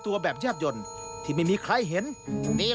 และคู่อย่างฉันวันนี้มีความสุขจริง